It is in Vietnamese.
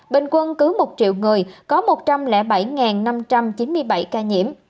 bình quân cứ một triệu người có một trăm linh bảy năm trăm chín mươi bảy ca nhiễm